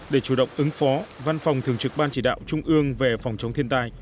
để chủ động ứng phó văn phòng thường trực ban chỉ đạo trung ương về phòng chống thiên tai